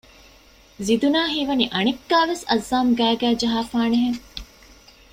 ޒިދުނާ ހީވަނީ އަނެއްކާވެސް އައްޒާމް ގައިގައި ޖަހައިފާނެހެން